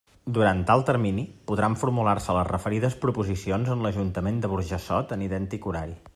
Durant tal termini podran formular-se les referides proposicions en l'Ajuntament de Burjassot en idèntic horari.